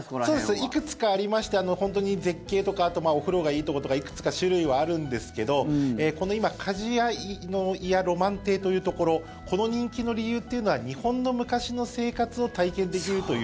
いくつかありまして本当に絶景とかあとお風呂がいいところとかいくつか種類はあるんですけどこのカジヤ祖谷浪漫亭というところこの人気の理由というのは日本の昔の生活を体験できるという。